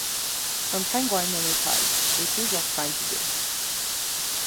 Un pingouin nommé Paz est toujours plein d’idées.